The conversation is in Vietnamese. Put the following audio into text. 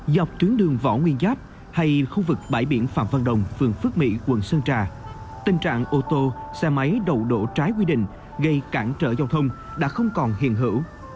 dọc tuyến đường võ nguyên giáp hay khu vực bãi biển phạm văn đồng phường phước mỹ quận sơn trà tình trạng ô tô xe máy đầu đổ trái quy định gây cản trở giao thông đã không còn hiền hữu